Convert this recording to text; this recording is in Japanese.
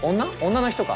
女の人か。